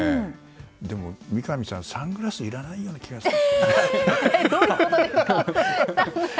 でも、三上さん、サングラスいらないような気がする。